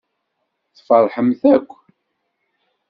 Tfeṛḥemt akk.